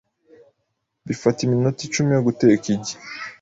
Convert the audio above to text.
Bifata iminota icumi yo guteka igi.